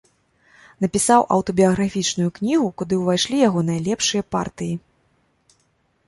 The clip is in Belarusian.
Напісаў аўтабіяграфічную кнігу, куды ўвайшлі яго найлепшыя партыі.